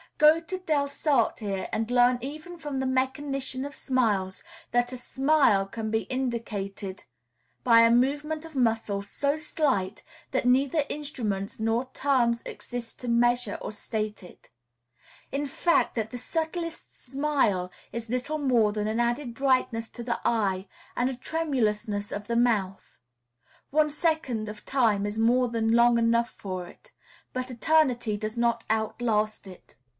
Go to Delsarte here, and learn even from the mechanician of smiles that a smile can be indicated by a movement of muscles so slight that neither instruments nor terms exist to measure or state it; in fact, that the subtlest smile is little more than an added brightness to the eye and a tremulousness of the mouth. One second of time is more than long enough for it; but eternity does not outlast it.